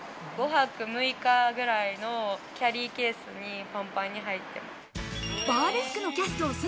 ５泊６日ぐらいのキャリーケースにパンパンに入ってます。